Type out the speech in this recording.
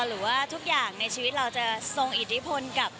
หรือว่าทุกอย่างในชีวิตเราจะทรงอิทธิพลกับ